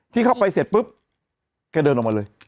ที่เข้าไปเสร็จปุ๊บแกเดินออกมาเลย